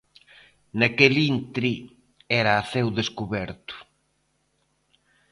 Naquel intre era a ceo descuberto.